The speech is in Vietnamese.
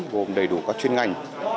gồm đầy đủ các chuyên ngành